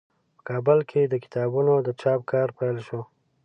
په کابل کې د کتابونو د چاپ کار پیل شو.